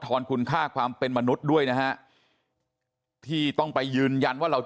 อนคุณค่าความเป็นมนุษย์ด้วยนะฮะที่ต้องไปยืนยันว่าเราจะ